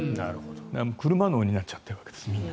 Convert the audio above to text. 車脳になっちゃってるわけですみんな。